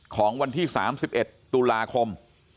ของวันที่๓๑ตุลาคม